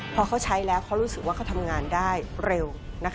พอเขาใช้แล้วเขารู้สึกว่าเขาทำงานได้เร็ว